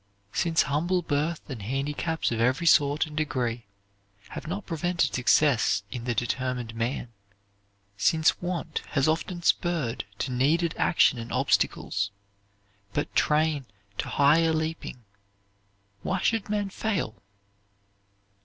Since humble birth and handicaps of every sort and degree have not prevented success in the determined man; since want has often spurred to needed action and obstacles but train to higher leaping, why should men fail?